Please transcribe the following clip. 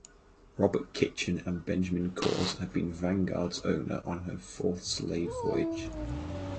Robert Kitchen and Benjamin Cors had been "Vanguard"s owner on her fourth slave voyage.